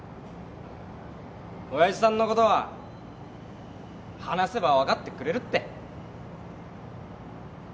親父さんのことは話せば分かってくれるって。